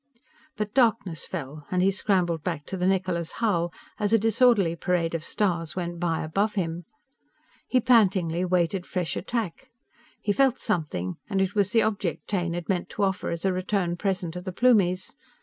But darkness fell, and he scrambled back to the Niccola's hull as a disorderly parade of stars went by above him. He pantingly waited fresh attack. He felt something and it was the object Taine had meant to offer as a return present to the Plumies.